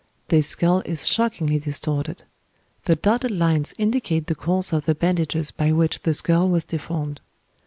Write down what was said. This skull is shockingly distorted. The dotted lines indicate the course of the bandages by which the skull was deformed.